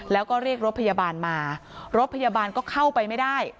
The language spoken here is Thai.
แล้วก็เรียกรถพยาบาลมารถพยาบาลก็เข้าไปไม่ได้